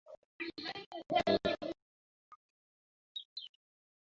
বহুর পিছনে ধাবিত হইও না, সেই একের দিকে অগ্রসর হও।